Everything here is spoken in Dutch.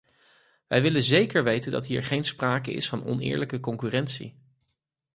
Wij willen zeker weten dat hier geen sprake is van oneerlijke concurrentie.